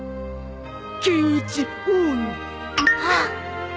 あっ！